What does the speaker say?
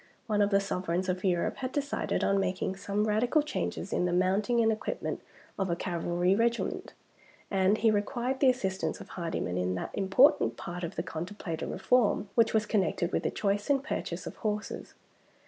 One of the sovereigns of Europe had decided on making some radical changes in the mounting and equipment of a cavalry regiment; and he required the assistance of Hardyman in that important part of the contemplated reform which was connected with the choice and purchase of horses.